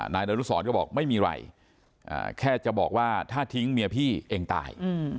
นายดารุสรก็บอกไม่มีไรแค่จะบอกว่าถ้าทิ้งเมียพี่เองตาย